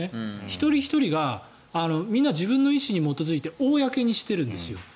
一人ひとりがみんな自分の意思に基づいて公にしているんですよ。